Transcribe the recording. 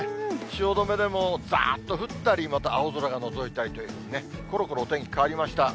汐留でも、ざーっと降ったり、また青空がのぞいたりというふうにね、ころころお天気変わりました。